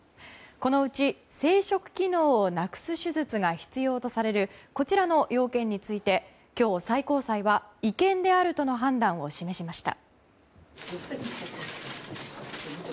このうち、生殖機能をなくす手術が必要とされるこちらの要件について今日、最高裁は違憲であるとの判断を示しました。